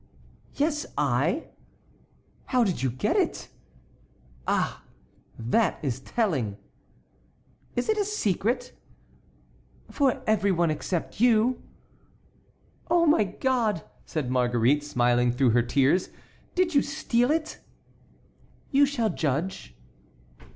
"Yes, I." "How did you get it?" "Ah! that is telling!" "Is it a secret?" "For every one except you." "Oh, my God!" said Marguerite, smiling through her tears, "did you steal it?" "You shall judge."